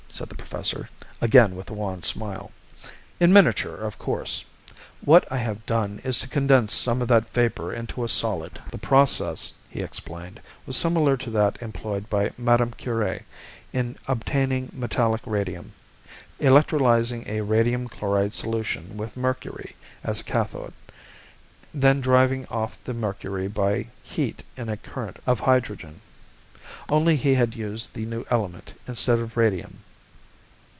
said the professor, again with a wan smile. "In miniature, of course. What I have done is to condense some of that vapor into a solid." The process, he explained, was similar to that employed by Madame Curie in obtaining metallic radium electrolyzing a radium chloride solution with mercury as a cathode, then driving off the mercury by heat in a current of hydrogen only he had used the new element instead of radium.